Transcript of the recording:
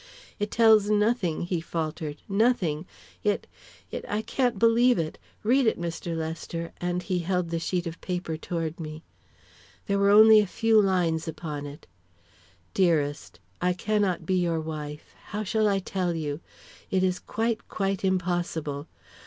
"It tells nothing," he faltered; "nothing. It it I can't believe it! Read it, Mr. Lester," and he held the sheet of paper toward me. There were only a few lines upon it: "Dearest: I cannot be your wife how shall I tell you? It is quite, quite impossible.